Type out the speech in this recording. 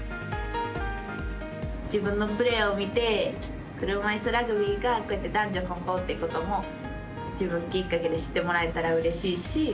自分のプレーを見て車いすラグビーが男女混合ってことも自分きっかけで知ってもらえたらうれしいし。